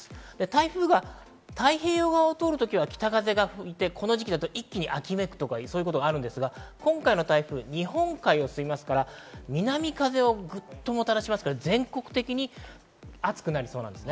台風が太平洋側を通るときは北風が吹いて、この時期だと一気に秋めくということがありますが、今回の台風は日本海を過ぎますから、南風をグッともたらしますので全国的に暑くなりそうです。